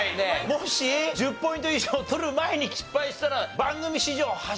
もし１０ポイント以上取る前に失敗したら。